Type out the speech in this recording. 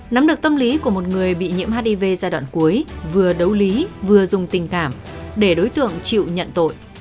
nắm được tâm lý của một người bị nhiễm hiv giai đoạn cuối vừa đấu lý vừa dùng tình cảm để đối tượng chịu nhận tội